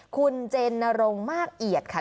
คุณเจนนรงค์มากเอียดค่ะ